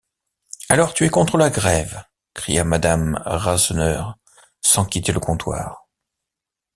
Alors, tu es contre la grève? cria madame Rasseneur, sans quitter le comptoir.